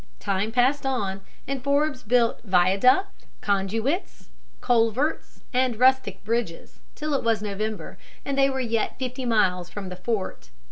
Time passed on, and Forbes built viaducts, conduits, culverts, and rustic bridges, till it was November, and they were yet fifty miles from the fort.